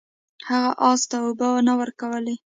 هغه اس ته اوبه نه ورکولې.